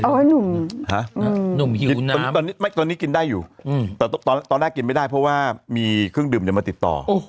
หนุ่มหิวตอนนี้กินได้อยู่แต่ตอนแรกกินไม่ได้เพราะว่ามีเครื่องดื่มอย่ามาติดต่อ